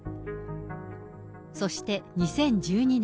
そして２０１２年。